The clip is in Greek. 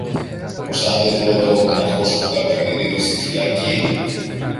πως αν δε βρω τρόπο να χώσω τον Κακομοιρίδη στη φυλακή